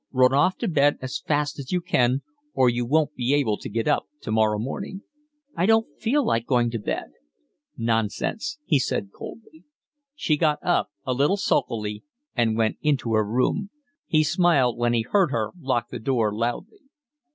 Run off to bed as fast as you can, or you won't be able to get up tomorrow morning." "I don't feel like going to bed." "Nonsense," he said coldly. She got up, a little sulkily, and went into her room. He smiled when he heard her lock the door loudly.